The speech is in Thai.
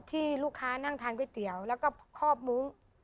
ที่ลูกค้านั่งทานก๋วยเตี๋ยวแล้วก็คอบมุ้ง